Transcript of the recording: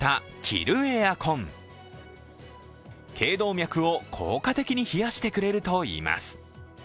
けい動脈を効果的に冷やしてくれるといいます。